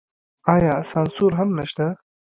آیا سانسور هم نشته؟